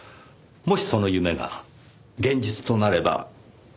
もしその夢が現実となれば。